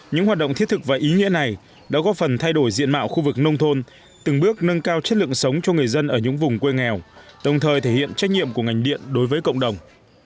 những hoạt động thiết thực và ý nghĩa này đã góp phần thay đổi diện mạo khu vực nông thôn từng bước nâng cao chất lượng sống cho người dân ở những vùng quê nghèo đồng thời thể hiện trách nhiệm của ngành điện đối với cộng đồng